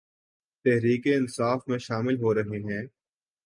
تحریک انصاف میں شامل ہورہےہیں